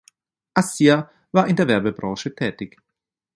Assia war in der Werbebranche tätig.